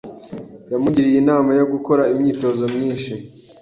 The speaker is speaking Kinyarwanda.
Yamugiriye inama yo gukora imyitozo myinshi.